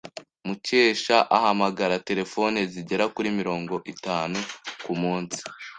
Mukesha ahamagara terefone zigera kuri mirongo itanu kumunsi.